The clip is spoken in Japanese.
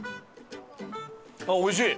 あっおいしい！